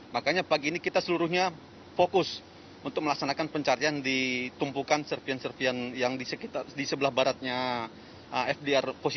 makanya pagi ini kita seluruhnya fokus untuk melaksanakan pencarian di tumpukan serpian serpian yang di sebelah baratnya fdr empat